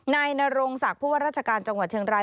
นายนรงศักดิ์ผู้ว่าราชการจังหวัดเชียงราย